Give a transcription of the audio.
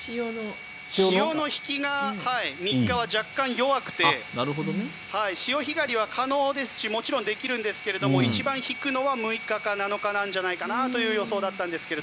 潮の引きが３日は若干弱くて潮干狩りは可能ですしもちろんできるんですが一番引くのは６日か７日じゃないかという予測だったんですが。